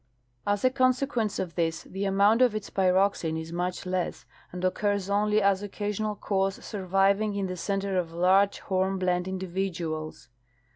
As a consequence of this the amount of its pyroxene is much less a,ncl occurs only as occasional cores surviving in the center of large hornblende individuals.